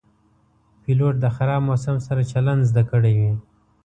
پیلوټ د خراب موسم سره چلند زده کړی وي.